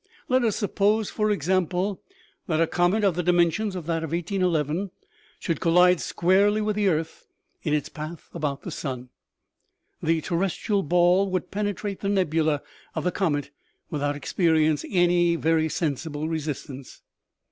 Let us suppose, for example, that a comet of the dimensions of that of 1811 should col lide squarely with the earth in its path about the sun. The terrestrial ball would penetrate the nebula of the comet without experiencing any very sensible resistance.